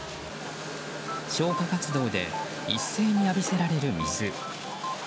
消火活動で一斉に浴びせられる水。